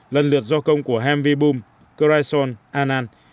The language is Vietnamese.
lần lượt do công của hamvi boom corazon anand